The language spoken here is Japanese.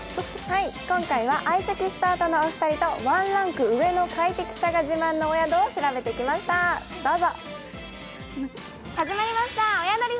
今回は相席スタートのお二人と、ワンランク上の快適さが自慢のお宿を調べてきました、どうぞ。